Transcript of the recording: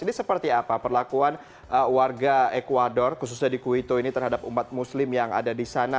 ini seperti apa perlakuan warga ecuador khususnya di kuito ini terhadap umat muslim yang ada di sana